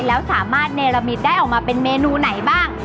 ร้านเนรามิดได้ออกมาเป็นเมนูไหนบ้าง